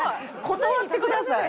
断ってください！